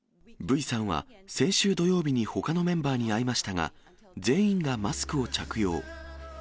Ｖさんは、先週土曜日にほかのメンバーに会いましたが、全員がマスクを着用。